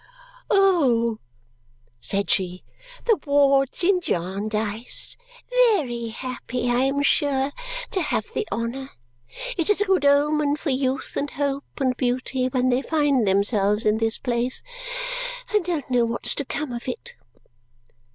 "Oh!" said she. "The wards in Jarndyce! Ve ry happy, I am sure, to have the honour! It is a good omen for youth, and hope, and beauty when they find themselves in this place, and don't know what's to come of it."